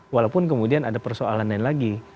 walaupun kemudian ada persoalan lain lagi